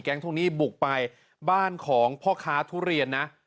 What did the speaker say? ช่วงนี้บุกไปบ้านของพ่อค้าทุเรียนนะ